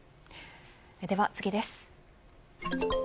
では次です。